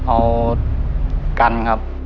เอากันครับ